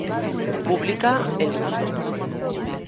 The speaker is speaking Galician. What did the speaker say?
Publícaa El Mundo.